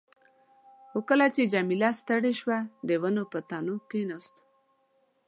خو کله چې جميله ستړې شوه، د ونو پر تنو کښېناستو.